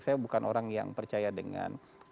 saya bukan orang yang percaya dengan